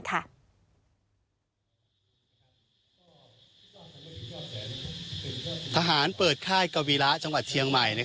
ทหารเปิดค่ายกวีระจังหวัดเชียงใหม่